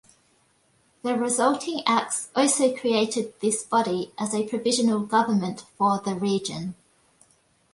The resulting acts also created this body as a provisional government for the region.